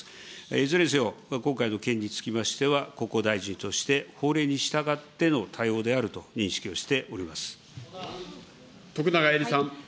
いずれにせよ、今回の件につきましては国交大臣として法令に従っての対応である徳永エリさん。